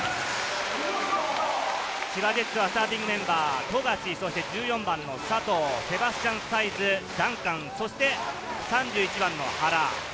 千葉ジェッツのスターティングメンバー、富樫、１４番の佐藤、セバスチャン・サイズ、ダンカン、そして３１番の原。